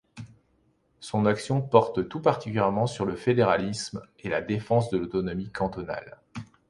Son action porte tout particulièrement sur le fédéralisme et la défense de l’autonomie cantonale.